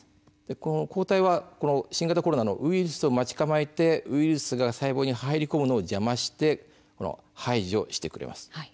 この抗体は新型コロナウイルスを待ち構えてウイルスが細胞に入り込むのを邪魔して排除してくれます。